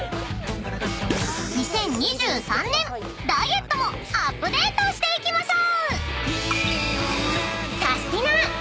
［２０２３年ダイエットもアップデートしていきましょう］